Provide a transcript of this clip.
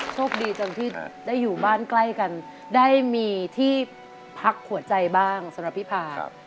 โชคดีจังที่ได้อยู่บ้านใกล้กันได้มีที่พักหัวใจบ้างสำหรับพี่พา